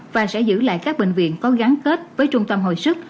và sẽ giữ lại các bệnh viện có gắn kết với trung tâm hồi sức